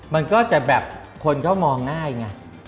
มันก็จะแบบคนก็มองง่ายไง